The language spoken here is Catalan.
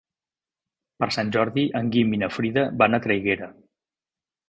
Per Sant Jordi en Guim i na Frida van a Traiguera.